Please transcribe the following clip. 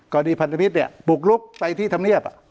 กรดีพันธพิษปุกลุกไปที่ธรรมเรียบ